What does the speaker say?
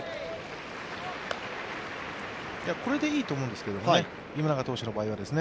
これでいいと思うんですけどね、今永投手の場合は。